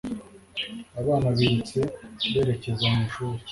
Abana birutse berekeza mu ishuri